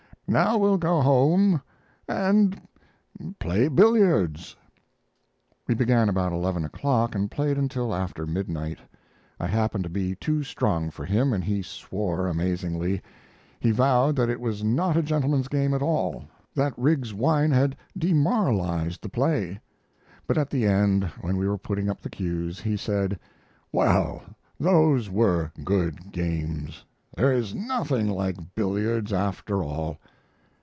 Now we'll go home and play billiards." We began about eleven o'clock, and played until after midnight. I happened to be too strong for him, and he swore amazingly. He vowed that it was not a gentleman's game at all, that Riggs's wine had demoralized the play. But at the end, when we were putting up the cues, he said: "Well, those were good games. There is nothing like billiards after all."